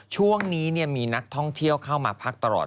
ช่วงนี้มีนักท่องเที่ยวเข้ามาพักตลอด